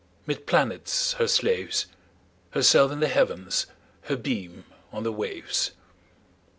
'Mid planets her slaves, Herself in the Heavens, Her beam on the waves.